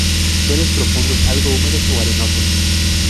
Suelos profundos algo húmedos o arenosos.